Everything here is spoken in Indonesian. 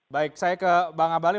baik saya ke bang abalin